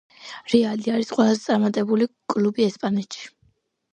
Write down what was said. „რეალი“ არის ყველაზე წარმატებული კლუბი ესპანეთში